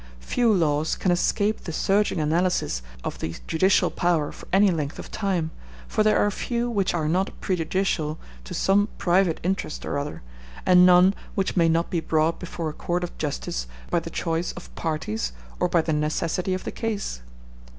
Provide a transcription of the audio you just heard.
Few laws can escape the searching analysis of the judicial power for any length of time, for there are few which are not prejudicial to some private interest or other, and none which may not be brought before a court of justice by the choice of parties, or by the necessity of the case.